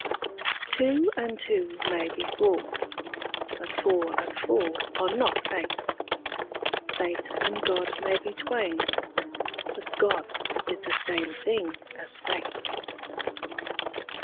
Two and two may be four: but four and four are not eight: Fate and God may be twain: but God is the same thing as fate.